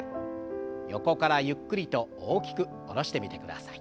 横からゆっくりと大きく下ろしてみてください。